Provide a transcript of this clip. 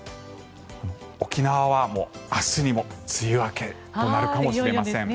沖縄は明日にも梅雨明けとなるかもしれません。